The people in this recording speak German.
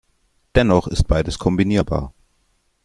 Dennoch ist beides kombinierbar.